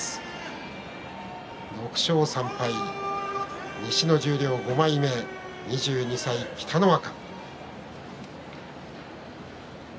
６勝３敗、西の十両５枚目２２歳の北の若。